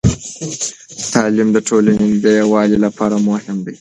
تعليم د ټولنې د يووالي لپاره مهم دی.